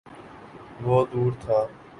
وہ دور تھا۔